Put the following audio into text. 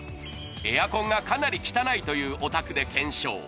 エアコンがかなり汚いというお宅で検証